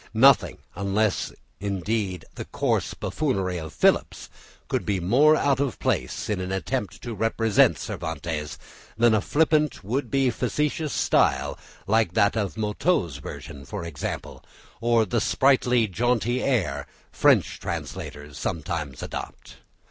Nothing, unless indeed the coarse buffoonery of Phillips, could be more out of place in an attempt to represent Cervantes, than a flippant, would be facetious style, like that of Motteux's version for example, or the sprightly, jaunty air, French translators sometimes adopt.